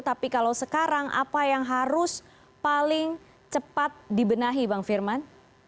tapi kalau sekarang apa yang harus paling cepat dibenahi bang firman